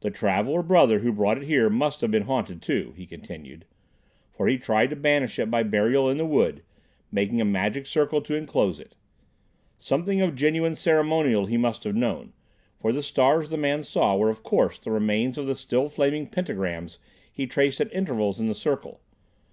"The traveller brother who brought it here must have been haunted too," he continued, "for he tried to banish it by burial in the wood, making a magic circle to enclose it. Something of genuine ceremonial he must have known, for the stars the man saw were of course the remains of the still flaming pentagrams he traced at intervals in the circle.